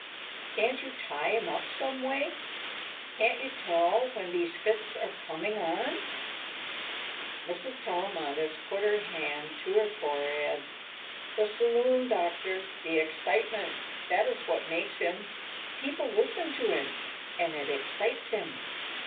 Can't you tie him up someway? Can't you tell when these fits are coming on?" Mrs. Tellamantez put her hand to her forehead. "The saloon, doctor, the excitement; that is what makes him. People listen to him, and it excites him."